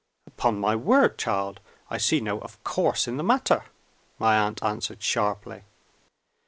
"Upon my word, child, I see no 'of course' in the matter!" my aunt answered sharply.